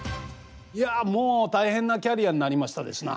いやもう大変なキャリアになりましたですな。